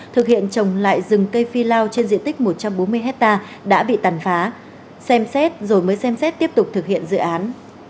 thực hiện trồng lại rừng cây phi lao trên diện tích một trăm bốn mươi hectare đã bị tàn phá xem xét rồi mới xem xét tiếp tục thực hiện dự án